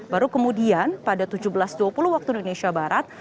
baru kemudian pada tujuh belas dua puluh waktu indonesia barat